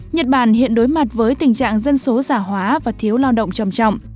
nhật bản hiện đối mặt với tình trạng dân số giả hóa và thiếu lao động trầm trọng